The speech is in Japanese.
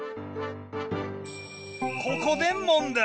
ここで問題。